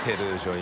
今。